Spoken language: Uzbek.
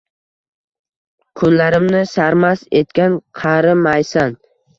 Kunlarimni sarmast etgan qari maysan